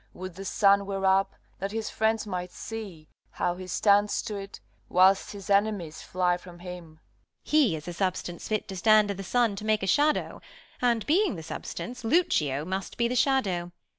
Would the sun were up, that his friends might see How he stands to't, whilst his enemies fly from him. Beat. He is a substance fit to stand i' th' sun To make a shadow. And, being the substance, Lucio must be the shadow